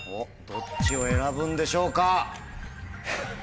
どっちを選ぶんでしょうか？